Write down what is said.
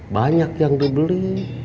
banyak yang dibeli